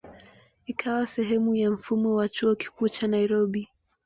Ikawa sehemu ya mfumo wa Chuo Kikuu cha Nairobi.